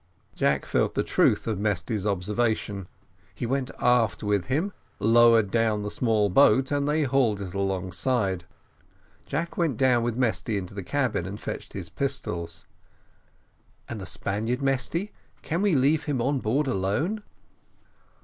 Jack felt the truth of Mesty's observation; he went aft with him, lowered down the small boat, and they hauled it alongside. Jack went down with Mesty into the cabin and fetched his pistols "And the Spaniard, Mesty, can we leave him on board alone?"